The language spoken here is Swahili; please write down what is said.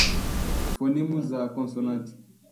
Fonimu za konsonanti